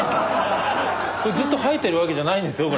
ずっと生えてるわけじゃないんですよ